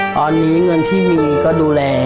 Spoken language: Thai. ตอนนี้เงินที่มีก็ดูแล